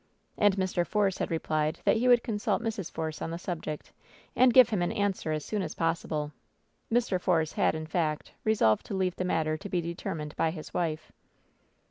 And Mr. Force had replied that he would consult Mrs. Force on the subject and give him an answer as soon as possible. Mr. Force had, in fact, resolved to leave the matter to be determined by his wife.